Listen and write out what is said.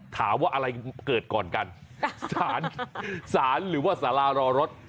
ถามว่าอะไรเกิดก่อนกันสารสารหรือว่าสารารอรถ